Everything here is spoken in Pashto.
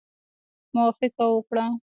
موافقه وکړه.